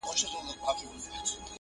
باز به بيرته بيزو وان ځان ته پيدا كړ٫